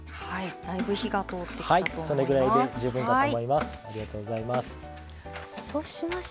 だいぶ火が通ってきたと思います。